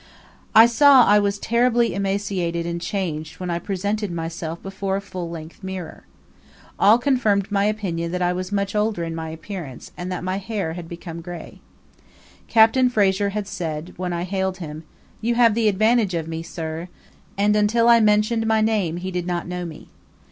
I saw I was terribly emaciated and changed when I presented myself before a full length mirror. All confirmed my opinion that I was much older in my appearance, and that my hair had become grey. Capt. Fraser had said, when I hailed him, "You have the advantage of me, sir!" and until I mentioned my name he did not know me.